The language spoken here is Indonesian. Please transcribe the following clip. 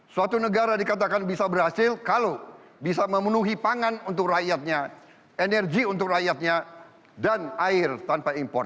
suatu negara dikatakan bisa berhasil kalau bisa memenuhi pangan untuk rakyatnya energi untuk rakyatnya dan air tanpa impor